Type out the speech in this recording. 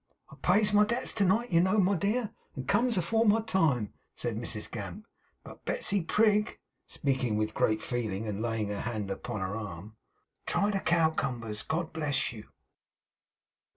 'I pays my debts to night, you know, my dear, and comes afore my time,' said Mrs Gamp. 'But, Betsy Prig' speaking with great feeling, and laying her hand upon her arm 'try the cowcumbers, God bless you!